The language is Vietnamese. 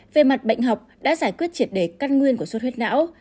về mặt bệnh học đã giải quyết triệt đề căn nguyên của xuất huyết não